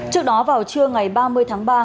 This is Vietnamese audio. trước đó vào trưa ngày ba mươi tháng ba